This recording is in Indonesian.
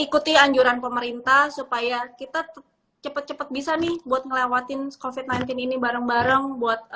ikuti anjuran pemerintah supaya kita cepet cepet bisa nih buat ngelewatin covid sembilan belas ini bareng bareng